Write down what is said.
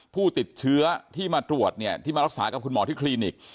ผู้ติดเชื้อที่มาตรวจเนี่ยที่มารักษากับคุณหมอที่คลินิก